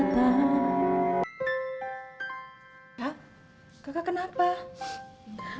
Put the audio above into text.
kak kakak kenapa